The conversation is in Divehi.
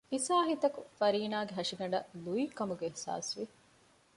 އިސާހިތަކު ފަރީނާގެ ހަށިގަނޑަށް ލުއިވިކަމުގެ އިޙްސާސްވި